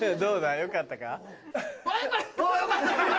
よかった。